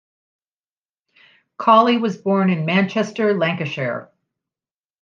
Colley was born in Manchester, Lancashire.